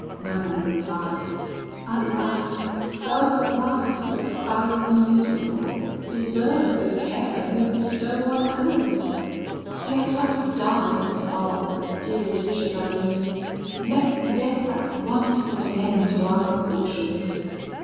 "Manon replied: 'Alas! does a life so thoroughly miserable deserve the care we bestow on ours? Let us die at Havre, dearest chevalier! Let death at once put an end to our afflictions!